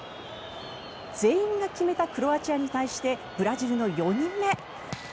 全員が決めたクロアチアに対してブラジルの４人目。